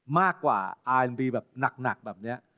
ไม่รู้เลย